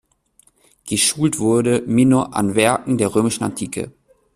Geschult wurde Mino an Werken der römischen Antike.